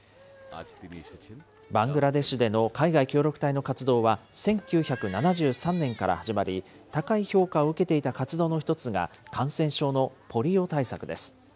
バングラデシュでの海外協力隊の活動は、１９７３年から始まり、高い評価を受けていた活動の一つが、感染症のポリオ対策です。